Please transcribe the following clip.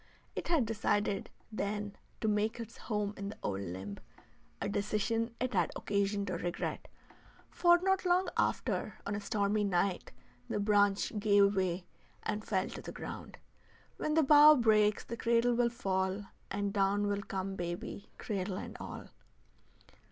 It had decided, then, to make its home in the old limb; a decision it had occasion to regret, for not long after, on a stormy night, the branch gave way and fell to the ground. "When the bough breaks the cradle will fall, and down will come baby, cradle and all."